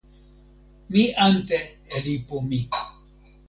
mi ante e lipu mi.